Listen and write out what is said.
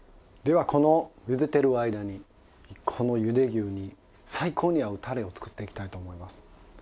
ではこのゆでてる間にこのゆで牛に最高に合うたれを作っていきたいと思います。